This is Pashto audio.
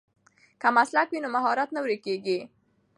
که مسلک وي نو مهارت نه ورکېږي.